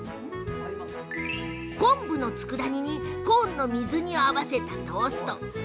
昆布のつくだ煮にコーンの水煮を合わせたトースト